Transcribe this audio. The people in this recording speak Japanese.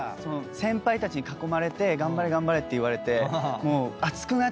先輩たちに囲まれて「頑張れ頑張れ」って言われてもう熱くなっちゃって。